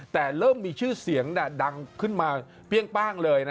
แต่เริ่มมีชื่อเสียงดังขึ้นมาเปรี้ยงป้างเลย